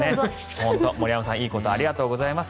本当、森山さんありがとうございます。